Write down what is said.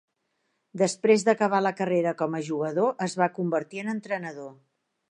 Després d'acabar la carrera com a jugador es va convertir en entrenador.